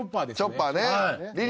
チョッパーね。